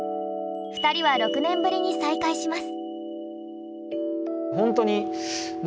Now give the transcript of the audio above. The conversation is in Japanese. ２人は６年ぶりに再会します。